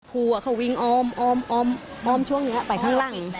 หัวเขาวิ่งออมออมออมออมช่วงเนี้ยไปข้างล่าง